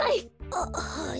あっはい。